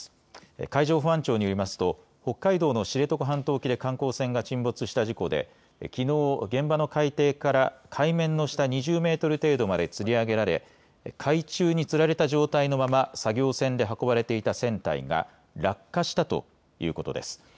海上保安庁によりますと北海道の知床半島沖で観光船が沈没した事故で、きのう現場の海底から海面の下２０メートル程度までつり上げられ海中につられた状態のまま作業船で運ばれていた船体が落下したということです。